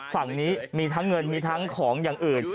ฝั่งนี้มีทั้งเงินมีทั้งของอย่างอื่น